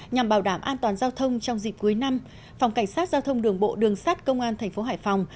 nhằm bảo đảm an toàn giao thông trong dịp cuối năm phòng cảnh sát giao thông đường bộ đường sát công an thành phố hải phòng